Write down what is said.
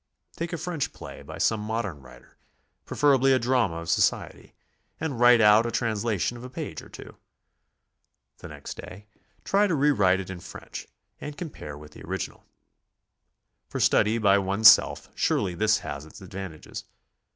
Take a French play by some modern writer, preferably a drama of society, and write out a translation of a page or two. The next day try to re write it in French and compare with the original. For study by one's self, surely this has its advantages.